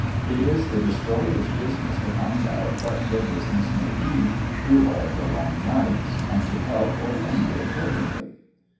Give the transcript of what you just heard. It is the destroyers' business to find out what their business may be through all the long night, and to help or hinder accordingly.